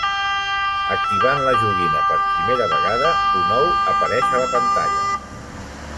Activant la joguina per primera vegada, un ou apareix a la pantalla.